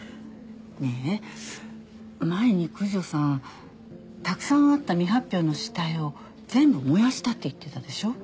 ねえ前に九条さんたくさんあった未発表の下絵を全部燃やしたって言ってたでしょ？